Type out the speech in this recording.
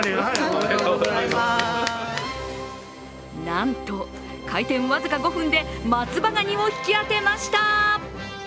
なんと、開店僅か５分で松葉がにを引き当てました。